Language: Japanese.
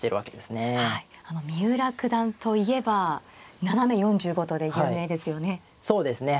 三浦九段といえば斜め４５度で有名ですよね。